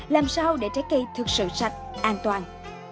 làm sao để trái cây thực sự sạch an toàn